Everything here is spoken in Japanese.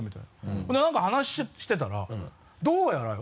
それで何か話してたらどうやらよ。